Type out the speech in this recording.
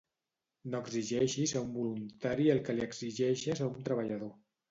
No exigeixis a un voluntari el que li exigeixes a un treballador.